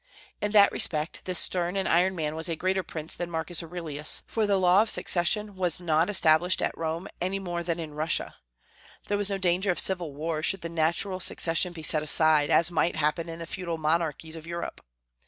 In that respect this stern and iron man was a greater prince than Marcus Aurelius; for the law of succession was not established at Rome any more than in Russia. There was no danger of civil war should the natural succession be set aside, as might happen in the feudal monarchies of Europe.